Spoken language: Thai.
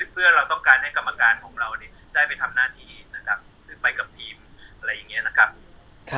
เพื่อเราต้องด้วยให้กรรมการของเราได้ไปทำหน้าทีไปกับทีมอะไรอย่างนี้นะครับ